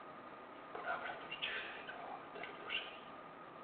Po návratu do Čech se věnoval literatuře.